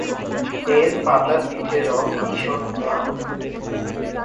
এর পাতার পিঠের রঙ ঈষৎ ম্লান।